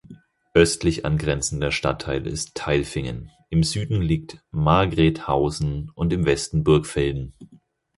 Östlich angrenzender Stadtteil ist Tailfingen, im Süden liegt Margrethausen und im Westen Burgfelden.